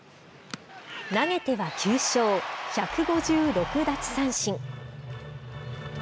投げては９勝、１５６奪三振。